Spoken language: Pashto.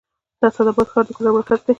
د اسعد اباد ښار د کونړ مرکز دی